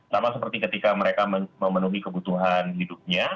sama seperti ketika mereka memenuhi kebutuhan hidupnya